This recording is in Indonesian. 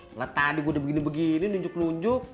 ngeliat tadi gue udah begini begini nunjuk nunjuk